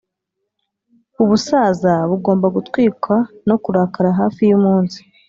ubusaza bugomba gutwikwa no kurakara hafi yumunsi;